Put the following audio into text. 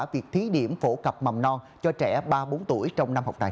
việc thí điểm phổ cập mầm non cho trẻ ba bốn tuổi trong năm học này